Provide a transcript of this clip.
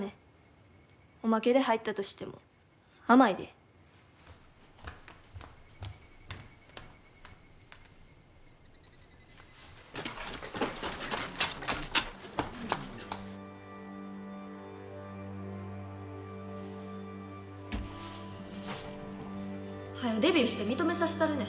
おまけで入ったとしても甘いで。はよデビューして認めさせたるねん。